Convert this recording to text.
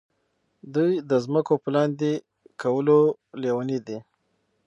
دوی د ځمکو په لاندې کولو لیوني دي.